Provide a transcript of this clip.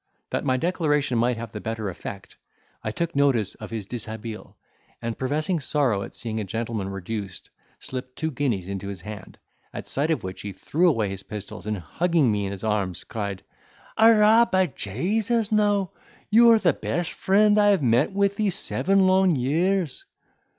That my declaration might have the better effect, I took notice of his deshabille, and, professing sorrow at seeing a gentleman reduced, slipped two guineas into his hand, at sight of which he threw away his pistols, and hugging me in his arms, cried, "Arrah, by Jasus, now, you are the best friend I have met with these seven long years!"